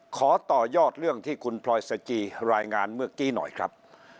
ขอต่อยอดเรื่องที่คุณพลอยสจีรายงานเมื่อกี้หน่อยครับ